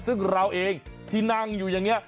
ซึ่งเราเองที่นั่งอยู่อย่างนี้